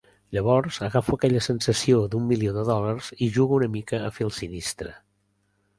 Llavors agafo aquella sensació d'un milió de dòlars i jugo una mica a fer el sinistre.